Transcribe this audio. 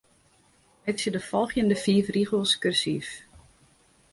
Meitsje de folgjende fiif rigels kursyf.